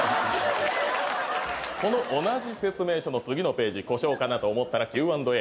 この同じ説明書の次のページ故障かなと思ったらＱ＆Ａ。